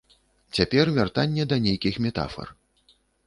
Цяпер вяртанне да нейкіх метафар.